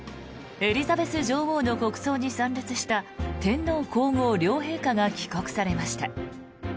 エリザベス女王の国葬に参列した天皇・皇后両陛下が帰国されました。